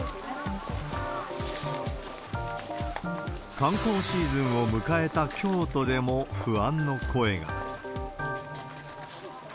観光シーズンを迎えた京都でも不安の声が。